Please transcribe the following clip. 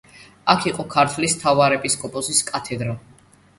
აქ იყო ქართლის მთავარეპისკოპოსის კათედრა.